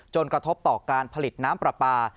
กระทบต่อการผลิตน้ำปลาปลา